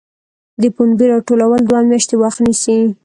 د پنبې راټولول دوه میاشتې وخت نیسي.